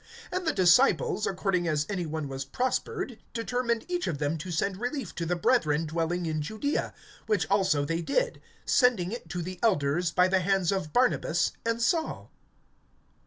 (29)And the disciples, according as any one was prospered, determined each of them to send relief to the brethren dwelling in Judaea; (30)which also they did, sending it to the elders by the hands of Barnabas and Saul.